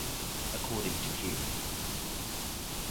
According to Kew.